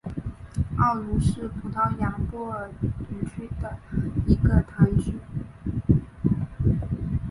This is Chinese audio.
奥卢是葡萄牙波尔图区的一个堂区。